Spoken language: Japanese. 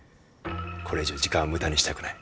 これ以上時間は無駄にしたくない。